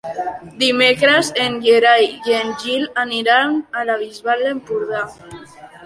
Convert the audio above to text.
Dimecres en Gerai i en Gil aniran a la Bisbal d'Empordà.